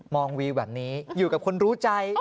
องวิวแบบนี้อยู่กับคนรู้ใจ